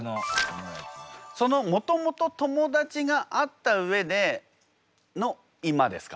そのもともと友達があった上での今ですか？